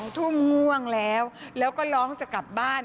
ทุ่มง่วงแล้วแล้วก็ร้องจะกลับบ้าน